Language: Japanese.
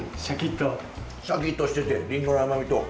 シャキッとしててりんごの甘みと。